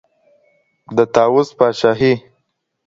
د طاووس پاچهي